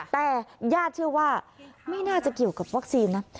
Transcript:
แต่ญาติเชื่อว่าไม่น่าจะเกี่ยวกับวัคซีนนะ